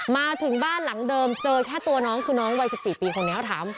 มาถึงบ้านหลังเดิมเจอแค่ตัวน้องคือน้องวัย๑๔ปีคนนี้เขาถาม